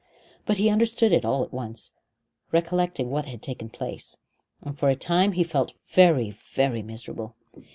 But he understood it all at once, recollecting what had taken place, and for a time he felt very, very miserable.